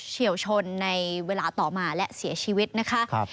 เฉียวชนในเวลาต่อมาและเสียชีวิตนะคะ